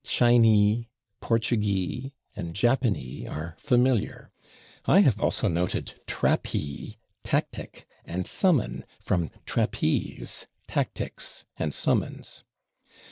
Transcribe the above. /Chinee/, /Portugee/ and /Japanee/ are familiar; I have also noted /trapee/, /tactic/ and /summon/ (from /trapeze/, /tactics/ and /summons